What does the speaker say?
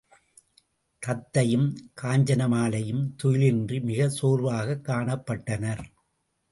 தத்தையும் காஞ்சனமாலையும் துயிலின்றி மிகச் சோர்வாகக் காணப்பட்டனர்.